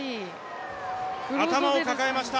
頭を抱えました。